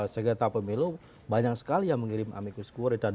segeta pemilu banyak sekali yang mengirim amicus curia